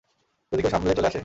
যদি কেউ সামনে চলে আসে?